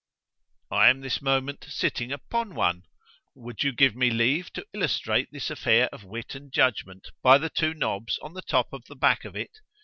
—I am this moment sitting upon one. Will you give me leave to illustrate this affair of wit and judgment, by the two knobs on the top of the back of it?